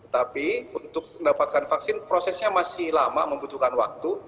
tapi untuk mendapatkan vaksin prosesnya masih lama membutuhkan waktu